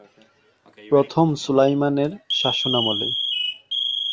প্রথম সুলাইমানের শাসনামলে।